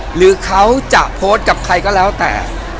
หรือเขาจะโพสต์กับใครก็แล้วแต่